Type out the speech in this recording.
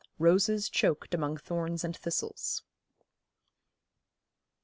'ROSES CHOKED AMONG THORNS AND THISTLES.'